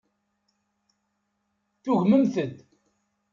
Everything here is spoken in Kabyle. Tugmemt-d.